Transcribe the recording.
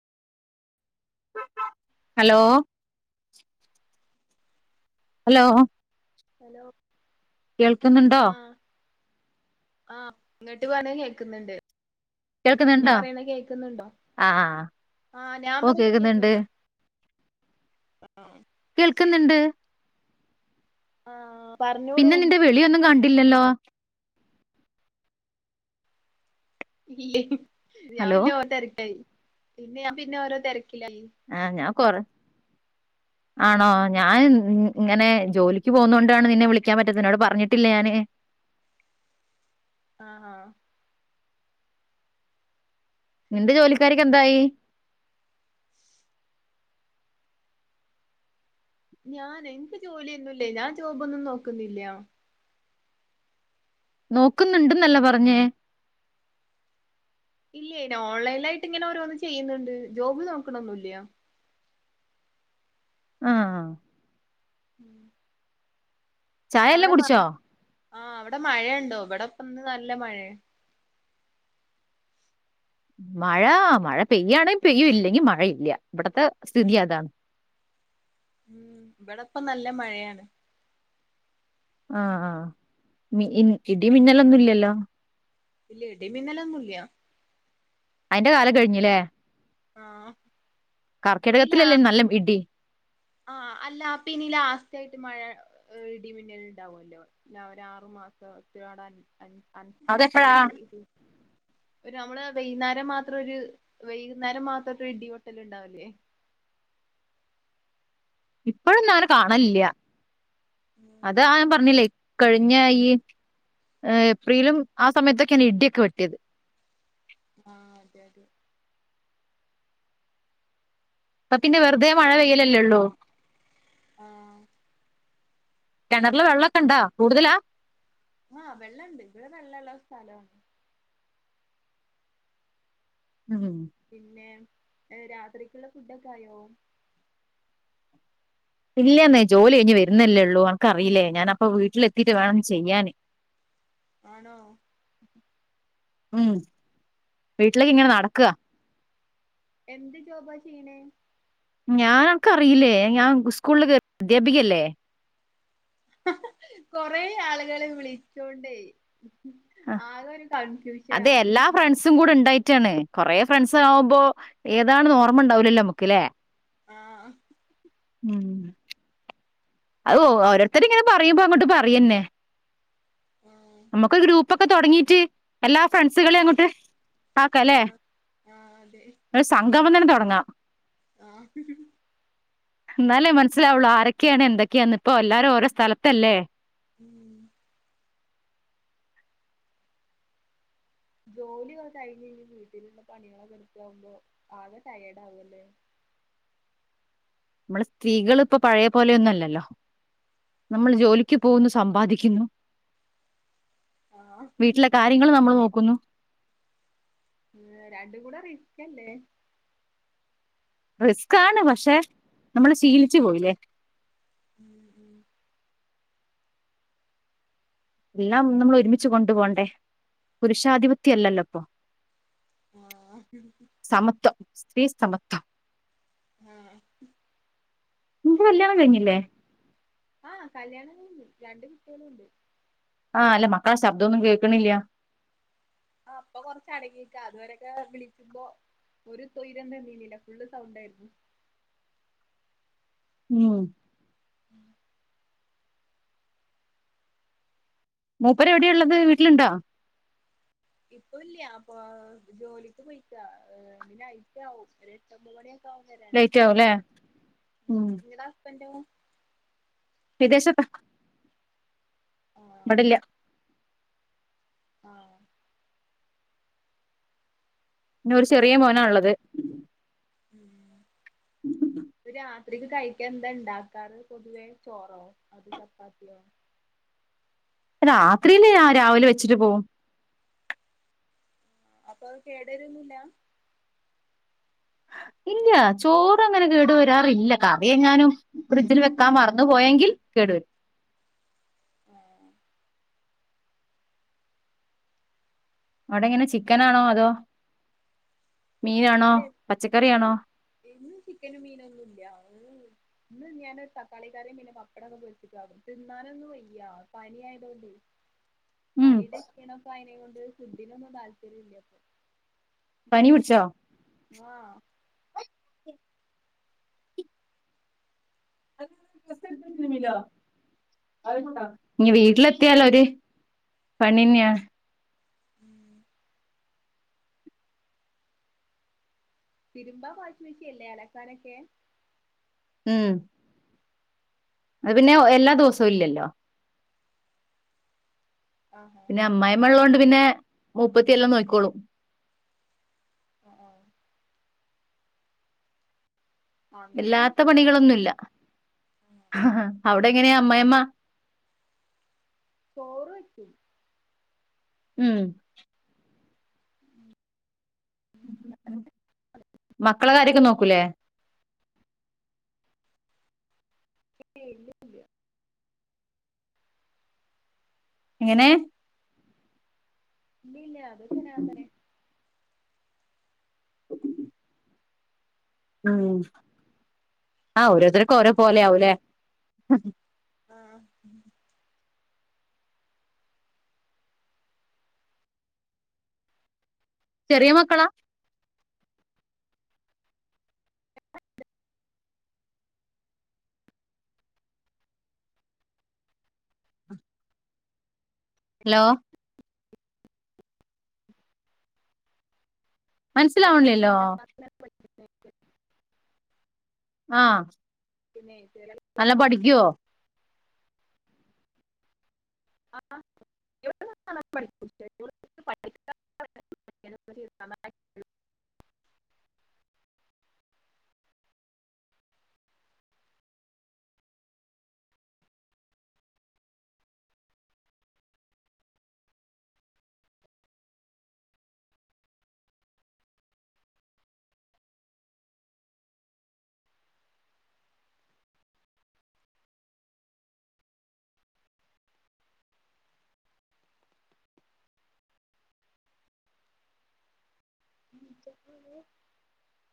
Hello hello hello കേൾക്കുന്നുണ്ടോ ആ ഇങ്ങട്ട് പറണത് കേക്കുന്നുണ്ട് ഞാൻ കേൾക്കുന്നുണ്ടോ പറയണത് കേക്കുന്നുണ്ടോ ആ ആ ഞാൻ ഓ പറയണത് കേൾക്കുന്നുണ്ട് കേക്കുന്നുണ്ടോ ആ കേൾക്ക്ന്ന്ണ്ട് ആ അ പിന്നെ നിന്റെ വിളിയൊന്നും കണ്ടില്ലല്ലോ ഇല്ലേ യ് ഹ്‌മ് ഞാൻ ഹലോ പിന്നെ ഓരോതിരക്കായി പിന്നെ ഞാൻ പിന്നെ ഓരോ തിരക്കിലായി കൊറെ ആണോ ഞാൻ മ് മ് ഇങ്ങനെ ജോലിക്ക് പോകുന്നോണ്ടാണ് നിന്നെ വിളിക്കാൻ പറ്റത്ത നിന്നോട് പറഞ്ഞിട്ടില്ലേ ഞാന് [inaudible] ആ ആ നിന്റെ ജോലിക്കാര്യോക്കെ എന്തായി? ഞാൻ എനിക്ക് ജോലിയൊന്നുല്ല ഞാൻ ജോബൊന്നും നോക്കുന്നില്ല. നോക്കുന്നുണ്ടെന്നല്ലേ പറഞ്ഞേ? ഇല്ല ഓൺലൈനിലായിട്ട് ഇങ്ങനെ ഓരോന്ന് ചെയ്യുന്നുണ്ട് ജോബ് നോക്കണൊന്നുല്ല. ആ ആ ഉം ചായെല്ലാം കുടിച്ചോ? ആഹ് അവിടെ മഴയുണ്ടോ ഇവിടെപ്പന്ന് നല്ല മഴയാ മഴ മഴ പെയ്യാണെ പെയ്യും ഇല്ലെങ്കി മഴ ഇല്ല ഇവിടത്തെ സ്ഥിതി അതാ [inaudible] ഉം ഇവിടെപ്പം നല്ല മഴയാണ് ആഹ് ആഹ് മി ഇൻ ഇടി മിന്നലൊന്നുംല്ലല്ലോ? ഇല്ല ഇടി മിന്നലൊന്നുല്ല്യ അയിന്റെ കാലം കഴിഞ്ഞിലേ ആഹ് കർക്കിടകത്തിലല്ലേ നല്ല ഇടി ആ അല്ല പിന്നെ ഈ ലാസ്റ്റായിട്ട് മഴ ഇടിമിന്നൽ ഇണ്ടാവുവല്ലോ ഒരാറ് മാ മാസോ അതെപ്പോഴാ [unintelligible] ഒരു നമ്മള് വൈന്നേരം മാത്രം ഒരു വൈകുന്നേരം മാത്രം ഒരു ഇടിവെട്ടല് ഇണ്ടാവില്ലേ? [inaudible] ഇപ്പഴൊന്നു അങ്ങനെ കാണലില്ല. അത് [unintelligible] ഞാ ൻ പറഞ്ഞില്ലേ കഴിഞ്ഞായി ഏപ്രിലും ആ സമയത്തൊക്കെയാണ് ഇടിയൊക്കെ വെട്ടിയത് ആ അതെ അതെ ഇപ്പ പിന്നെ വെറുതെ മഴ പെയ്യലല്ലേ ള്ളു ആ കിണറിലെ വെള്ളമൊക്കെ ഇണ്ടാ കൂടുതലാ ആ വെള്ളണ്ട് ഇവിടെ വെള്ളംള്ള സ്ഥലാണ് ഉം പിന്നെ രാത്രിക്കുള്ള ഫുഡൊക്കെ ആയോ ഇല്ലാന്നേ ജോലി കഴിഞ്ഞ് വരുന്നല്ലേള്ളൂ അനക്കറീല്ലേ ഞാന അപ്പ വീട്ടിലെത്തിയിട്ട് വേണം ചെയ്യാന് [inaudible] ആണോ ഉം വീട്ടിലേക്ക് ഇങ്ങനെ നടക്കുക എന്ത് ജോബ ചെയ്യണേ ഞാൻ അക്ക്‌ അറിയില്ലേ ഞാൻ സ്കൂളില് കേറി അദ്ധ്യാപികയല്ലേ കൊറെ ആളുകള് വിളിച്ചോണ്ടേ ആഹ് ആകെ ഒരു അത് കൺഫ്യൂഷനാ എല്ലാ ഫ്രണ്ട്സും കൂടെ ഉണ്ടായിട്ടാണ് കൊറെ ഫ്രണ്ട്സ ആവുമ്പോ ഏതാണെന്ന് ഓർമ്മ ഉണ്ടാവുലല്ലോ നമ്ക്കല്ലേ ആഹ് ഉം അത് ഓ ഓരോരുത്തര് ഇങ്ങനെ പറയുമ്പോ അങ്ങോട്ട് പറയന്നെ ആഹ് നമുക്ക് ഗ്രൂപ്പൊക്കെ തുടങ്ങീട്ട് എല്ലാ ഫ്രണ്ട്സുകളെ അങ്ങോട്ട് ആക്കല്ലേ ആ ആ ഒരു സംഗമം തന്നെ തൊടങ്ങാം ആഹ് എന്നാലേ മനസ്സിലാവുള്ളു ആരൊക്കെയാണ് എന്തൊക്കെയാന്ന് ഇപ്പോ എല്ലാരും ഓരോ സ്ഥലത്തല്ലേ ഉം ജോലി ഒക്കെ കഴിഞ്ഞ്കഴിഞ് വീട്ടിലുള്ള പണികളൊക്കെ എടുക്കകുമ്പോ ആകെ ടയേഡ് ആകുവല്ലേ നമ്മള് സ്ത്രീകൾ ഇപ്പ പഴയ പോലെയൊന്നും അല്ലല്ലോ നമ്മള് ജോലിക്ക് പോകുന്ന് സ് സമ്പാദിക്കുന്നു ആ വീട്ടിലെ കാര്യങ്ങളും നമ്മള് നോക് ക്കുന്നു ഏഹ് രണ്ടും കൂടെ റിസ്ക്കല്ലേ റിസ്ക്കാണ് പക്ഷെ നമ്മള് ശീലിച്ചു പോയില്ലേ ഉം ഉം എല്ലാം നമ്മൾ ഒരുമിച്ച് കൊണ്ടു പോണ്ടേ പുരുഷാധിപത്യ അല്ലല്ലോ ഇപ്പൊ ആഹ് സ്ത്രീസമത്ഥം ഉം നിനിക്ക് കല്യാണം കഴിഞ്ഞില്ലേ ആഹ് കല്യാണം കഴിഞ്ഞ് രണ്ട് കുട്ടികളുണ്ട് ആഹ് അല്ല മക്കള ശബ്ദോന്നും കേക്കണില്യാ ആ അപ്പൊ കൊറച്ച് അടങ്ങിക്ക അതുവരൊക്കെ വിളിക്കുമ്പോ ഒരു തൊയ്രം തന്നീലില്ല ഫുള്ള് സൗണ്ട് ആയിരുന്നു ഉം [unintelligible] മൂപ്പര് എവിടെയാ ഇള്ളത് വീട്ടിലുണ്ടോ ഇപ്പൊ ഇല്യ അപ്പൊ ആഹ് ജോലിക്ക് പോയിക്ക ഏഹ് പിന്നെ നൈറ് ആവും ഒരു എട്ടൊമ്പത് മണിയ ക്കോവും വരാന് ലേറ്റ് ആവും അല്ലേ ഉം നിങ്ങടെ ഹസ്ബന്റോ വിദേശത്ത ആ ഇവിടില്ല ആഹ് പിന്ന ഒരു ചെറിയ മോനാ ഉള്ളത് ഉം പ്പ രാ ത്രിക്ക് കഴിക്ക എന്താ ഇണ്ടാക്കാറ് പൊതുവേ ചോറോ അതോ ചപ്പാത്തിയോ രാത്രില്ലേ ഞാ രാവിലെ വെച്ചിട്ട് പോവും അപ്പൊ അത് കേട്വരൊന്നില്ല ഇല്യാ ചോറ് അങ്ങനെ കേടു വരാറില്ല കറിയെങ്ങാനും ബ്രിഡ്ജിൽ വെക്കാൻ മറന്ന് പോയെങ്കിൽ കെ ട്വരും ആഹ് അവ്ടെ എങ്ങനെ ചിക്കനാണോ അതോ മീനാണോ ഇല്ലെ ഇന്ന് പച്ചക്കറിയാണോ ഇന്ന് ചിക്കനും മീനൊന്നുംല്ല ഇന്ന് ഞാനൊരു തക്കാളിക്കറിം പിന്നെ പപ്പടൊക്കെ പൊര്ച്ചിട്ട് ആകും തിന്നാനൊന്നും വയ്യ പനിയായ്തൊണ്ടേ ഉം പനീടെ [unintelligible] ആയീനെ കൊണ്ട് ഫുഡിനൊന്നും താല്പര്യം ഇല്ല പ്പൊ പനി പിടിച്ചോ ആ [unintelligible] ഇനി വീട്ട്ലെത്തിയാല് ഒര് പണിന്നെയാണ്. ഉം തിര്മ്പാ വാഷിങ് മെഷീൻ ല്ലേ അലക്കാനൊക്കെ ഉം അത് പിന്നെ എല്ലാ ദെവസവും ഇല്ലല്ലോ ആഹാ പിന്നെ അമ്മായിമ്മള്ളൊണ്ട് പിന്നെ മൂപ്പത്തിയെല്ലാം നോക്കിക്കോളും. അ ആ ആഹ് അങ്ങനെയാണെങ്കി വല്ലാത്ത സുഖാ പണികളൊന്നുംല്ല അവിടെങ്ങനെയാ അമ്മായിമ്മ ചോറ് വെക്കും ഉം മക്കളെ കാര്യൊക്കെ നോക്കൂലെ ഏ ഇല്ലല്ല എങ്ങനെ ഇല്ല്യല്ല അതൊക്കെ ഞാ [unintelligible] [inaudible] ഉം ആ ഓരോരുത്തർക്കും ഓരോ പോലെ ആവൂല്ലേ ആ ചെറിയ മക്കളാ ഹലോ മൻസ്സ്ലാവണില്ലല്ലോ [inaudible] ആ പിന്നെ നല്ല പഠിക്കോ ആ [unintelligible] [inaudible]